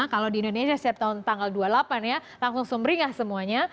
kalau di indonesia setiap tahun tanggal dua puluh delapan ya langsung sumringah semuanya